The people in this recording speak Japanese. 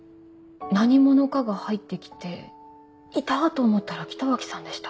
何者かが入ってきていた！と思ったら北脇さんでした。